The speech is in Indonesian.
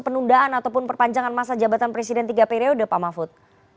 penundaan ataupun perpanjangan masa jabatan presiden tiga periode pak mahfud